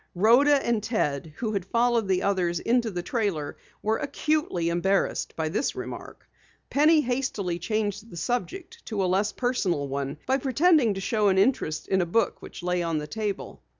Rhoda and Ted, who had followed the others into the trailer, were acutely embarrassed by the remark. Penny hastily changed the subject to a less personal one by pretending to show an interest in a book which lay on the table.